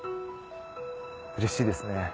うれしいですね。